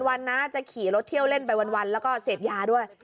วันนะจะขี่รถเที่ยวเล่นไปวันแล้วก็เสพยาด้วย